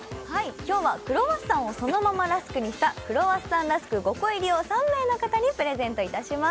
今日はクロワッサンをそのままラスクにしたクロワッサンラスク５個入りを３名の方にプレゼントいたします